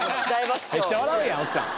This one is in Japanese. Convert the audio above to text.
めっちゃ笑うやん奥さん！